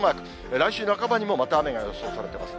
来週半ばにもまた雨が予想されています。